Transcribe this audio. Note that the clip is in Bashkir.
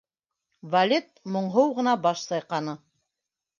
Валет моңһоу ғына баш сайҡаны.